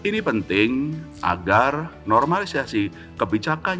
ini penting agar normalisasi kebijakan